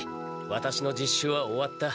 ワタシの実習は終わった。